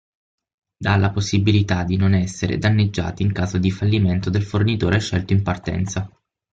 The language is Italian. Dà la possibilità di non essere danneggiati in caso di fallimento del fornitore scelto in partenza.